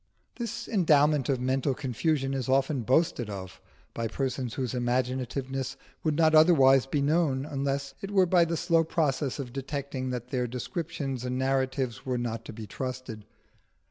This endowment of mental confusion is often boasted of by persons whose imaginativeness would not otherwise be known, unless it were by the slow process of detecting that their descriptions and narratives were not to be trusted.